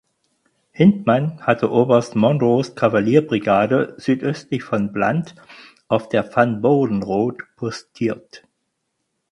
Hindman hatte Oberst Monroes Kavalleriebrigade südöstlich von Blunt auf der Van Buren Road postiert.